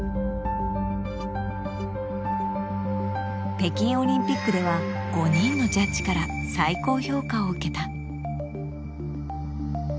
北京オリンピックでは５人のジャッジから最高評価を受けた。